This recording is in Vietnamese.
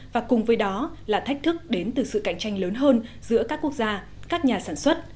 và cùng với đó là thách thức đến từ sự cạnh tranh lớn hơn giữa các quốc gia các nhà sản xuất